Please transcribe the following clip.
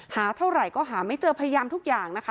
เท่าไหร่ก็หาไม่เจอพยายามทุกอย่างนะคะ